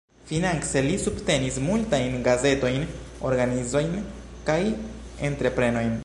Finance li subtenis multajn gazetojn, organizojn kaj entreprenojn.